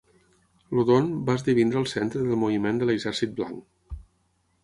El Don va esdevenir el centre del moviment de l'Exèrcit Blanc.